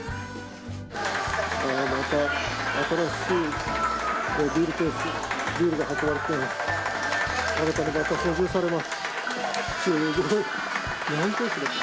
また新しいビールケース、ビールが運ばれています。